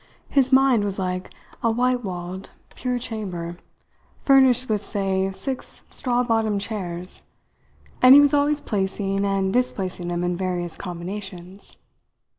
His mind was like a white walled, pure chamber, furnished with, say, six straw bottomed chairs, and he was always placing and displacing them in various combinations.